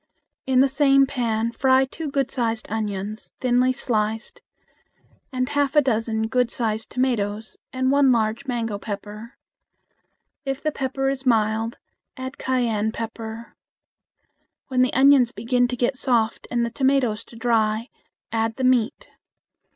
In the same pan fry two good sized onions, thinly sliced, and half a dozen good sized tomatoes and one large mango pepper. If the pepper is mild, add cayenne pepper. When the onions begin to get soft and the tomatoes to dry, add the meat.